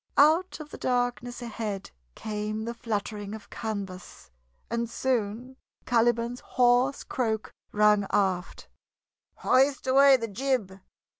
Out of the darkness ahead came the fluttering of canvas, and soon Caliban's hoarse croak rang aft: "Hoist away th' jib!"